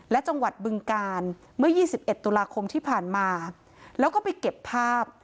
และจังหวัดบึงกาลเมื่อ๒๑ตุลาคมที่ผ่านมาแล้วก็ไปเก็บภาพ